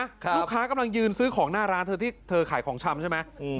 ลูกค้ากำลังยืนซื้อของหน้าร้านเธอที่เธอขายของชำใช่ไหม